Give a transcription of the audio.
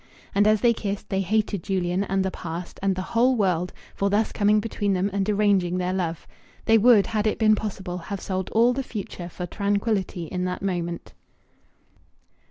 And as they kissed they hated Julian, and the past, and the whole world, for thus coming between them and deranging their love. They would, had it been possible, have sold all the future for tranquillity in that moment.